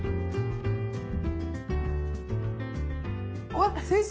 わっ先生